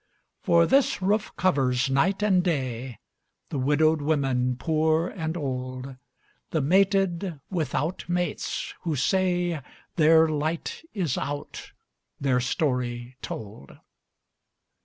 For this roof covers, night and day, The widowed women poor and old, The mated without mates, who say Their light is out, their story told.